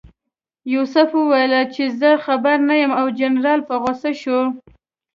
یوسف وویل چې زه خبر نه یم او جنرال په غوسه شو.